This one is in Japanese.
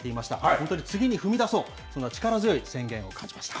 本当に次に踏み出そう、そんな力強い宣言を感じました。